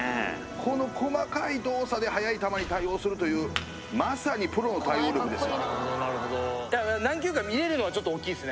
この細かい動作で速い球に対応するというまさにプロの対応力ですよ